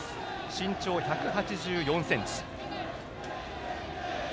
身長１８４ｃｍ。